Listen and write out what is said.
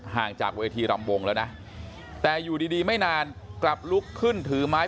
ห่างจากเวทีรำวงแล้วนะแต่อยู่ดีไม่นานกลับลุกขึ้นถือไม้